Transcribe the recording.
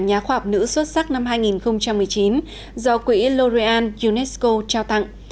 nhà khoa học nữ xuất sắc năm hai nghìn một mươi chín do quỹ oreal unesco trao tặng